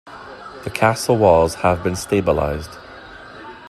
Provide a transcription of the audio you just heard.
The castle walls have been stabilized.